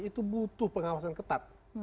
itu butuh pengawasan ketat